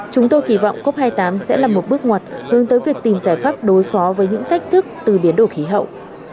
chúng tôi kỳ vọng cop hai mươi tám sẽ là một bước ngoặt hướng tới việc tìm giải pháp đối phó với những thách thức từ biến đổi khí hậu